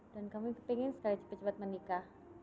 dan kami ingin sekali cepat cepat menikah